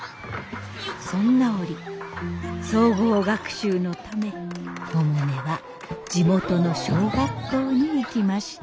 そんな折総合学習のため百音は地元の小学校に行きました。